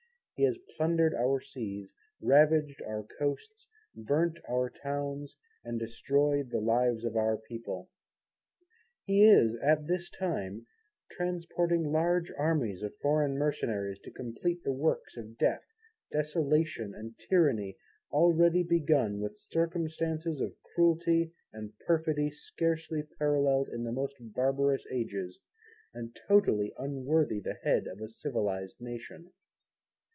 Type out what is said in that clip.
He has plundered our seas, ravaged our Coasts, burnt our towns, and destroyed the lives of our people. He is at this time transporting large armies of foreign mercenaries to compleat the works of death, desolation and tyranny, already begun with circumstances of Cruelty & perfidy scarcely paralleled in the most barbarous ages, and totally unworthy of the Head of a civilized nation.